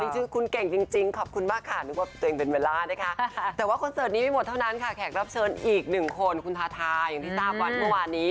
ชอตที่ตาคลีแล้ว